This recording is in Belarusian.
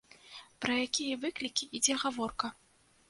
Пра якія выклікі ідзе гаворка?